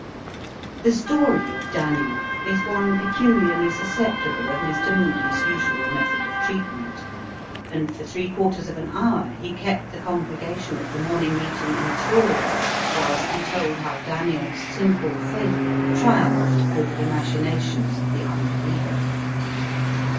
The story of Daniel is one peculiarly susceptible of Mr. Moody's usual method of treatment, and for three quarters of an hour he kept the congregation at the morning meeting enthralled whilst he told how Daniel's simple faith triumphed over the machinations of the unbeliever.